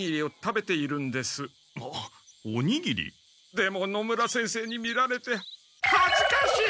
でも野村先生に見られてはずかしい！